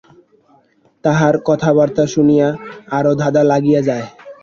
তাঁহার কথাবার্তা শুনিয়া আরো ধাঁধা লাগিয়া যায়।